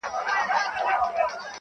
پر کوترو به سوه جوړه د غم خونه -